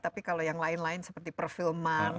tapi kalau yang lain lain seperti perfilman